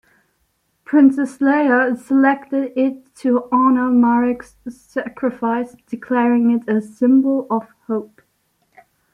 Princess Leia selected it to honor Marek's sacrifice, declaring it a "symbol of hope".